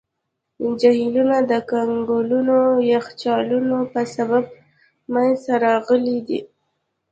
دا جهیلونه د کنګلونو یخچالونو په سبب منځته راغلي دي.